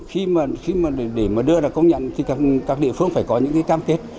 khi mà để mà đưa ra công nhận thì các địa phương phải có những cái cam kết